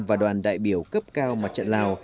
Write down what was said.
và đoàn đại biểu cấp cao mặt trận lào